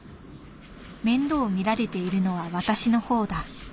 面倒をみられているのは私の方だ」。